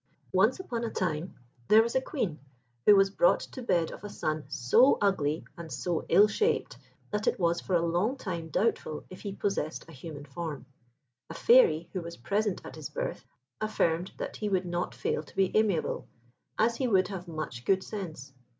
Once upon a time there was a Queen, who was brought to bed of a son so ugly and so ill shaped that it was for a long time doubtful if he possessed a human form. A Fairy, who was present at his birth, affirmed that he would not fail to be amiable, as he would have much good sense.